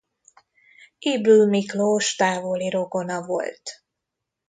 Ybl Miklós távoli rokona volt.